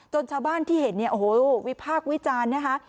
ชาวบ้านที่เห็นเนี่ยโอ้โหวิพากษ์วิจารณ์นะคะ